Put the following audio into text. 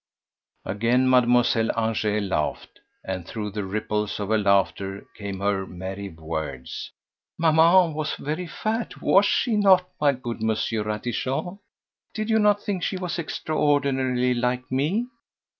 Again Mademoiselle Angèle laughed, and through the ripples of her laughter came her merry words: "Maman was very fat, was she not, my good Monsieur Ratichon? Did you not think she was extraordinarily like me?"